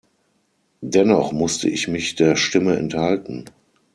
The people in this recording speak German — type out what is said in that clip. Dennoch musste ich mich der Stimme enthalten.